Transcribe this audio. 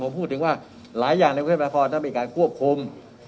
ผมพูดถึงว่าหลายอย่างในกรุงเทพนครต้องมีการควบคุม